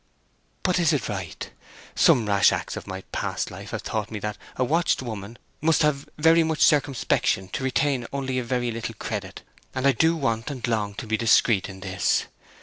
"But is it right? Some rash acts of my past life have taught me that a watched woman must have very much circumspection to retain only a very little credit, and I do want and long to be discreet in this!